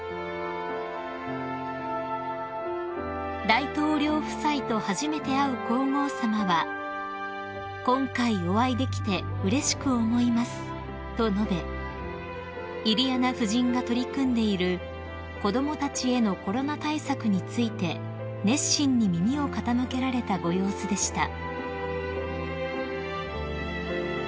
［大統領夫妻と初めて会う皇后さまは「今回お会いできてうれしく思います」と述べイリアナ夫人が取り組んでいる子供たちへのコロナ対策について熱心に耳を傾けられたご様子でした］